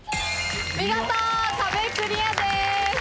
見事壁クリアです。